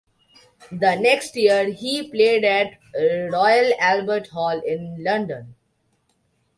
The next year, he played at Royal Albert Hall in London.